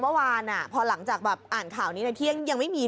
เมื่อวานพอหลังจากแบบอ่านข่าวนี้ในเที่ยงยังไม่มี